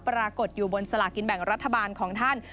ปรากฏอยู่บนสลากินแบ่งรัฐบาลของท่าน